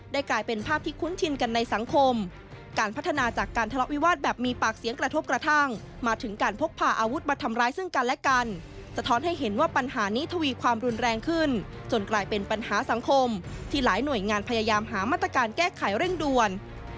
ด้วยงานพยายามหามาตรการแก้ไขเร่งด้วน